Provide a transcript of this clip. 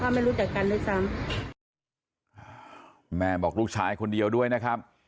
ไม่รู้จักกันด้วยซ้ำแม่บอกลูกชายคนเดียวด้วยนะครับ